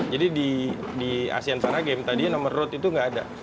jadi di asian para games tadi nomor road itu nggak ada